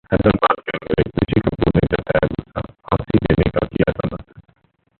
Hyderabad gangrape: Rishi Kapoor ने जताया गुस्सा, फांसी देने का किया समर्थन